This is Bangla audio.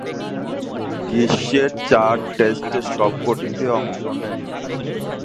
গ্রীষ্মের চার টেস্টের সবকটিতেই অংশ নেন।